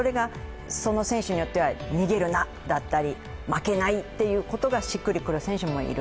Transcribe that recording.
選手によっては、逃げるなだったり負けないだったりがしっくりくる選手もいる。